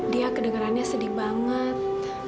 dia kedengerannya sedih banget